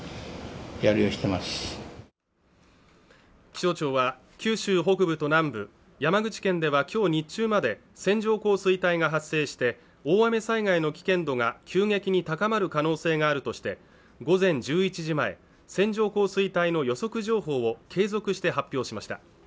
気象庁は九州北部と南部、山口県では今日日中まで線状降水帯が発生して大雨災害の危険度が急激に高まる可能性があるとして午前１１時前、線状降水帯の予測情報を継続して発表しました。